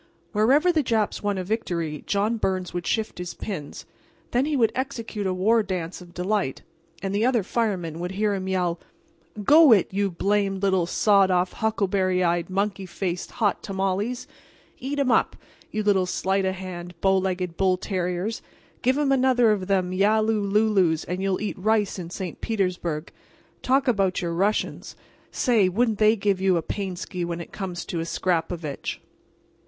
Wherever the Japs won a victory John Byrnes would shift his pins, and then he would execute a war dance of delight, and the other firemen would hear him yell: "Go it, you blamed little, sawed off, huckleberry eyed, monkey faced hot tamales! Eat 'em up, you little sleight o' hand, bow legged bull terriers—give 'em another of them Yalu looloos, and you'll eat rice in St. Petersburg. Talk about your Russians—say, wouldn't they give you a painsky when it comes to a scrapovitch?"